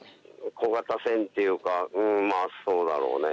小型船というかそうだろうね。